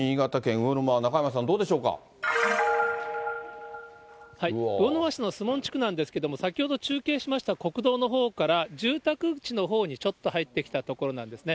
魚沼市の守門地区なんですけれども、先ほど、中継しました国道のほうから、住宅地のほうにちょっと入ってきた所なんですね。